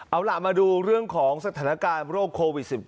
เอาล่ะมาดูเรื่องของสถานการณ์โรคโควิด๑๙